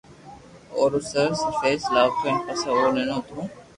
امو رو سر فيس لآيتو پسو او ئيئو مون